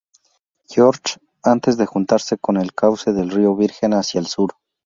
George antes de juntarse con el cauce del río Virgen hacia el sur.